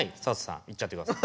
いっちゃってください。